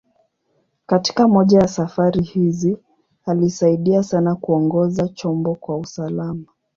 Katika moja ya safari hizi, alisaidia sana kuongoza chombo kwa usalama.